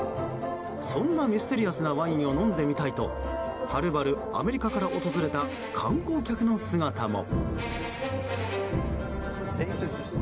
そんなミステリアスなワインを飲んでみたいとはるばるアメリカから訪れた観光客の姿も。